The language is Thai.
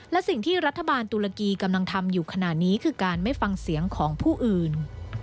และสิ่งที่รัฐบาลตุรกีกำลังทำอยู่ขณะนี้คือการไม่ฟังเสียงของผู้อื่น